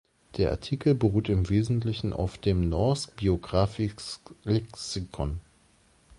Der Artikel beruht im Wesentlichen auf dem "Norsk biografisk leksikon".